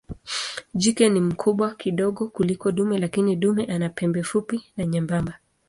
Jike ni mkubwa kidogo kuliko dume lakini dume ana pembe fupi na nyembamba.